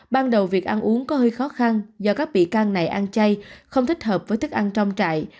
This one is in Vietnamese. ban đầu việc ăn uống có hơi khó khăn do các bị can này ăn chay không thích hợp với thức ăn trong trại